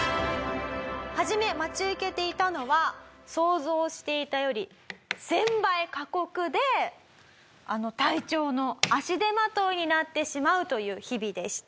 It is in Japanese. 初め待ち受けていたのは想像していたより１０００倍過酷であの隊長の足手まといになってしまうという日々でした。